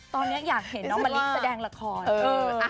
ตอนนี้อยากเห็นน้องมะลิแสดงละคร